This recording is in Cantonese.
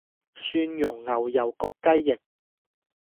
蒜蓉牛油焗雞翼